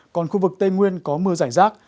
còn khu vực tây nguyên có mưa rải rác